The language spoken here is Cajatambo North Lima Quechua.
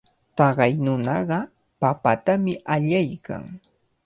Taqay nunaqa papatami allaykan.